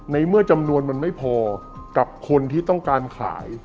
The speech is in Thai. ในเมื่อจำนวนมันไม่พอกับคนที่ต้องการขาย